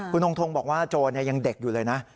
คุณทงทงบอกว่าโจรยังเด็กอยู่เลยนะ